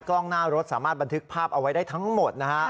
กล้องหน้ารถสามารถบันทึกภาพเอาไว้ได้ทั้งหมดนะฮะ